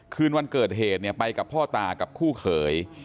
ขึ้นวันเกิดเหตุไปกับพ่อตากับคู่เคย